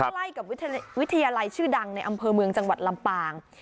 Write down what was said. ใกล้กับวิทยาลัยชื่อดังในอำเภอเมืองจังหวัดลำปาง